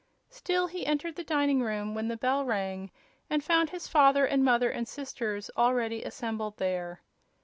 Still, he entered the dining room when the bell rang and found his father and mother and sisters already assembled there.